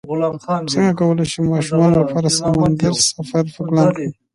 څنګه کولی شم د ماشومانو لپاره د سمندر سفر پلان کړم